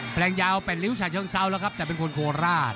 อย่าเอาเป็นลิ้วฉันเชิงเศร้าแล้วครับแต่เป็นคนโควราช